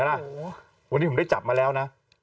วันนี้ผมได้จับมาแล้วนะ